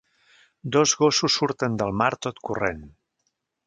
Dos gossos surten del mar tot corrent.